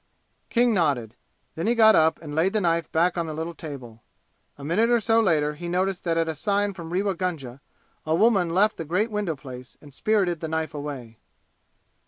King nodded. Then he got up and laid the knife back on the little table. A minute or so later he noticed that at a sign from Rewa Gunga a woman left the great window place and spirited the knife away.